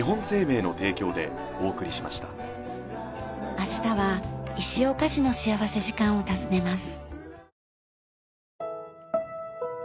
明日は石岡市の幸福時間を訪ねます。